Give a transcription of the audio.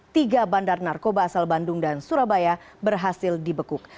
tiga bandar narkoba asal bandung dan surabaya berhasil dibekuk